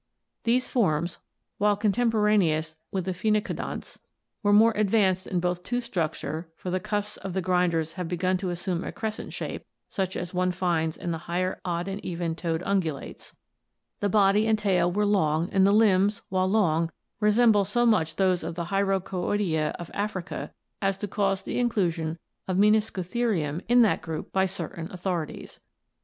These forms, while contemporaneous with the phenacodonts, were more advanced in tooth structure, for the cusps of the grinders have begun to assume a crescent shape such as one often finds in the higher odd and even toed ungulates. The body and tail were long and the limbs, while long, resemble so much those of the Hyracoidea of Africa (see page 579) as to canse the ORIGIN OF MAMMALS AND ARCHAIC MAMMALS 555 inclusion of Meniscotherium in that group by certain authorities.